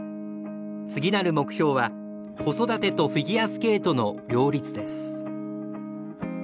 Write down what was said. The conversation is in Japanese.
次なる目標は「子育てとフィギュアスケートの両立」です。